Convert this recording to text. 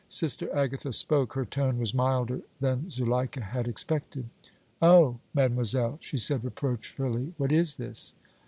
Sister Agatha spoke. Her tone was milder than Zuleika had expected. "Oh! mademoiselle," she said, reproachfully, "what is this?